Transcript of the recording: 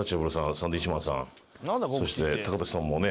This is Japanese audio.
サンドウィッチマンさんそしてタカトシさんもね